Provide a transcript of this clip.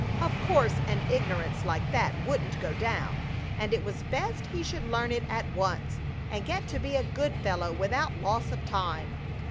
Of course an ignorance like that wouldn't go down, and it was best he should learn it at once and get to be a good fellow without loss of time.